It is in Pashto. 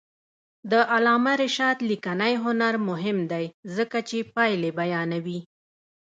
د علامه رشاد لیکنی هنر مهم دی ځکه چې پایلې بیانوي.